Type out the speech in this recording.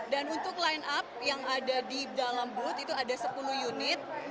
dan untuk line up yang ada di dalam booth itu ada sepuluh unit